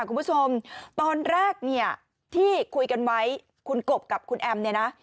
คุณผู้ชมตอนแรกเนี่ยที่คุยกันไว้คุณกบกับคุณแอมเนี่ยนะ